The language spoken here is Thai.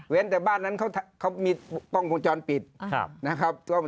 เว้นแต่บ้านนั้นเขามีป้องภูมิจรปิดนะครับ